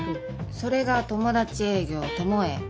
それが友達営業友営。